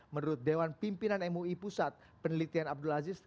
menurut dewan pimpinan mui pusat penelitian abdul aziz